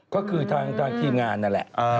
ก็คือทางทีมงานนั่นแหละ